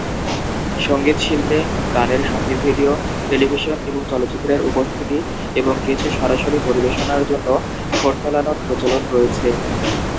সঙ্গীত শিল্পে, গানের সঙ্গীত ভিডিও, টেলিভিশন এবং চলচ্চিত্রের উপস্থিতি এবং কিছু সরাসরি পরিবেশনার জন্য ঠোঁট-মেলানোর প্রচলন রয়েছে।